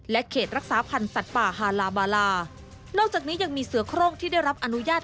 เขตรักษาพันธ์สัตว์ป่าฮาลาบาลานอกจากนี้ยังมีเสือโครงที่ได้รับอนุญาต